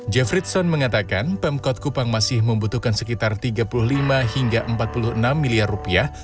jeffredson mengatakan pemkot kupang masih membutuhkan sekitar tiga puluh lima hingga empat puluh enam miliar rupiah